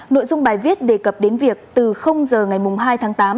nội dung bài viết đề cập đến việc từ giờ ngày hai tháng tám